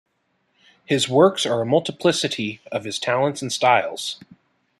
His works are a multiplicity of his talents and styles.